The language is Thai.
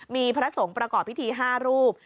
มีพระสงฆ์ประกอบพิธี๕รูป